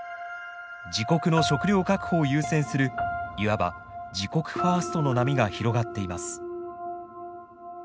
自国の食料確保を優先するいわば自国ファーストの波が広がっています。